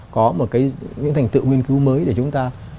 có một những thành tựu nghiên cứu mới để chúng ta